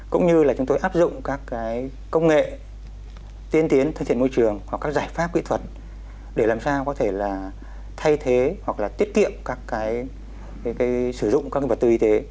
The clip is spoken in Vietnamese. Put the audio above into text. cũng như là chúng tôi áp dụng các công nghệ tiên tiến thân thiện môi trường hoặc các giải pháp kỹ thuật để làm sao có thể là thay thế hoặc là tiết kiệm các cái sử dụng các vật tư y tế